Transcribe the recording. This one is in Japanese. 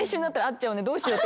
どうしよう。